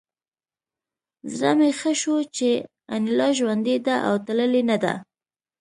زړه مې ښه شو چې انیلا ژوندۍ ده او تللې نه ده